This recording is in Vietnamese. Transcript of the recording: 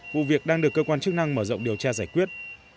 vụ việc đang được cơ quan chức năng mở rộng điều tra giải quyết